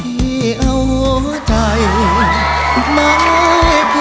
เหี้ยวใจวงมาคนเดียว